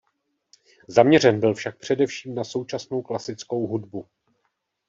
Zaměřen byl však především na současnou klasickou hudbu.